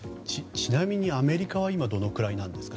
ちなみに、アメリカは今、どのくらいなんですか？